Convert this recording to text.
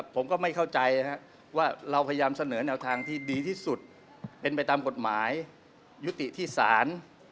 ผมก็ไม่เข้าใจนะครับว่าเราพยายามเสนอแนวทางที่ดีที่สุดเป็นไปตามกฎหมายยุติที่ศาล